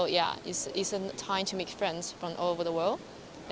jadi ya ini adalah waktunya untuk menemui teman teman di seluruh dunia